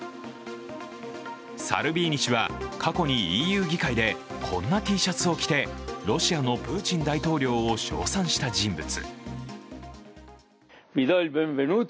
サルビーニ氏は過去にＥＵ議会でこんなＴシャツを着てロシアのプーチン大統領を称賛した人物。